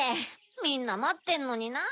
みんなまってんのになぁ。